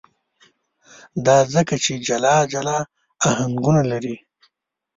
دا ځکه چې جلا جلا آهنګونه لري.